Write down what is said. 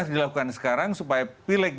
harus dilakukan sekarang supaya pilkada